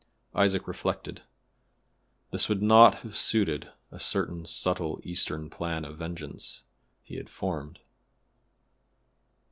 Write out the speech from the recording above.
Isaac reflected. This would not have suited a certain subtle Eastern plan of vengeance he had formed.